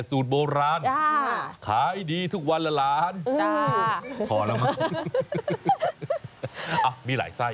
สูตรโบราณขายดีทุกวันละหลานพอแล้วมั้งมีหลายไส้